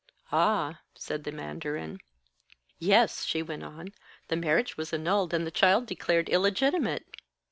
"Ah," said the mandarin. "Yes," she went on. "The marriage was annulled, and the child declared illegitimate.